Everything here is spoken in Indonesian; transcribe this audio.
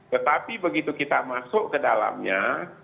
tetapi begitu kita masuk ke dalamnya